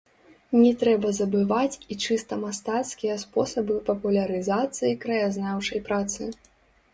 Не трэба забываць і чыста мастацкія спосабы папулярызацыі краязнаўчай працы.